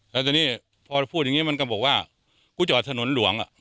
แล้วทีนี้พอพูดอย่างนี้มันก็บอกว่ากูจอดถนนหลวง